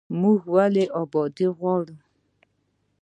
موږ ولې ابادي غواړو؟